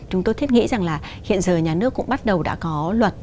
chúng tôi thiết nghĩ rằng là hiện giờ nhà nước cũng bắt đầu đã có luật